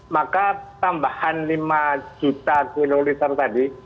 maka tambahan lima juta kiloliter tadi